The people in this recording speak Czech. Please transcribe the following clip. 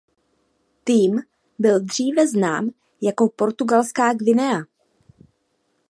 Tým byl dříve znám jako Portugalská Guinea.